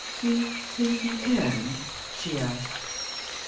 "You think you can?" she asked.